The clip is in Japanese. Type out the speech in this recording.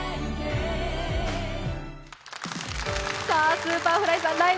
Ｓｕｐｅｒｆｌｙさん、「ライブ！